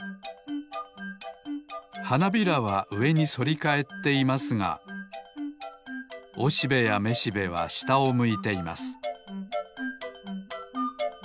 はなびらはうえにそりかえっていますがおしべやめしべはしたをむいています